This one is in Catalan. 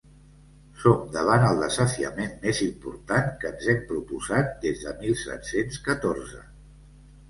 Som davant el desafiament més important que ens hem proposat des del mil set-cents catorze.